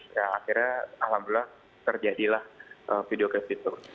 ya akhirnya alhamdulillah terjadilah video klip itu